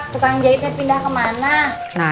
tukang jahitnya pindah kemana